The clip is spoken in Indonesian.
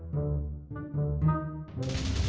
kok mati sendiri